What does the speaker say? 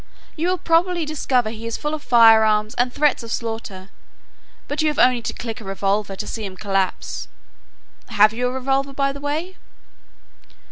You will probably discover he is full of firearms and threats of slaughter, but you have only to click a revolver to see him collapse. Have you a revolver, by the way?"